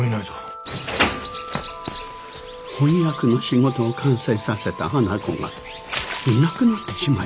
翻訳の仕事を完成させた花子がいなくなってしまいました。